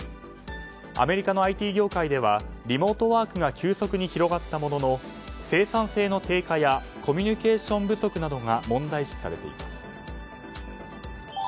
アメリカのＩＴ業界ではリモートワークが急速に広がったものの生産性の低下やコミュニケーション不足などが問題視されています。